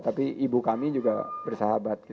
tapi ibu kami juga bersahabat